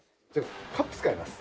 カップ使います。